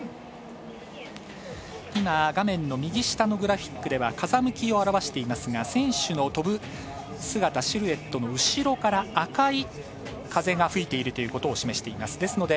今、画面の右下のグラフィックでは風向きを現していますが選手の飛ぶ姿シルエットの後ろから赤い風が吹いているということを示しています。